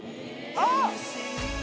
あっ！